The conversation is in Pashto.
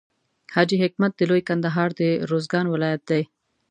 حاجي حکمت د لوی کندهار د روزګان ولایت دی.